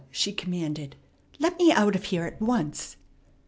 she commanded. "Let me out of here at once."